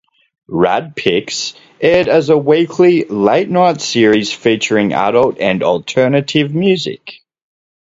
"RadPix" aired as a weekly, late night series featuring adult and alternative music.